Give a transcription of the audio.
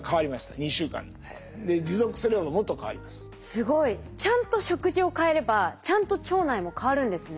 すごい！ちゃんと食事を変えればちゃんと腸内も変わるんですね。